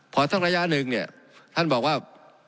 พอตั้งระยะหนึ่งเนี่ยท่านบอกว่า